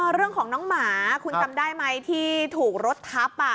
เรื่องของน้องหมาคุณจำได้ไหมที่ถูกรถทับ